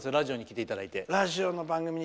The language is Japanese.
ラジオに来ていただいて。